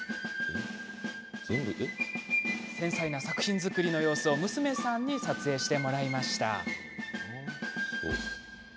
繊細な作品作りの様子を娘さんに撮影してもらいました。